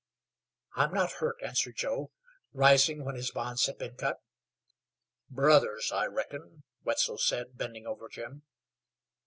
"I'm not hurt," answered Joe, rising when his bonds had been cut. "Brothers, I reckon?" Wetzel said, bending over Jim.